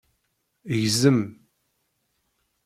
Gzem.